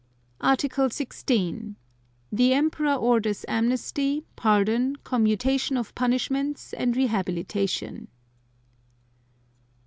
Article 16. The Emperor orders amnesty, pardon, commutation of punishments and rehabilitation.